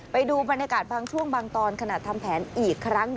ไปดูบรรยากาศบางช่วงบางตอนขณะทำแผนอีกครั้งหนึ่ง